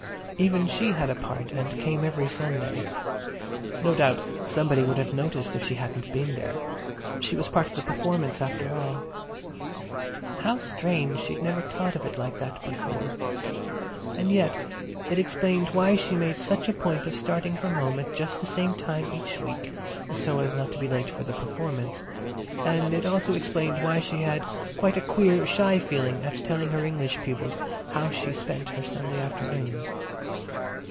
Even she had a part and came every Sunday. No doubt somebody would have noticed if she hadn't been there; she was part of the performance after all. How strange she'd never thought of it like that before! And yet it explained why she made such a point of starting from home at just the same time each week—so as not to be late for the performance—and it also explained why she had quite a queer, shy feeling at telling her English pupils how she spent her Sunday afternoons.